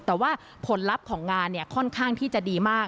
แต่ว่าผลลัพธ์ของงานเนี่ยค่อนข้างที่จะดีมาก